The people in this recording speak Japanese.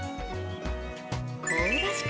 香ばしく